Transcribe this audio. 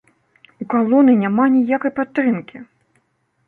У калоны няма ніякай падтрымкі!